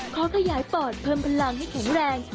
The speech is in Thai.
ขอขยายปอดเพิ่มพลังให้แข็งแรง